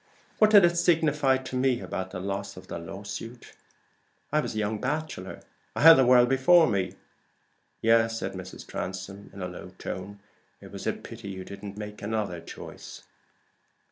What did it signify to me about the loss of the lawsuit? I was a young bachelor I had the world before me." "Yes," said Mrs. Transome, in a low tone. "It was a pity you didn't make another choice."